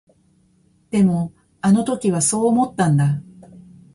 でも、あの時はそう思ったんだ。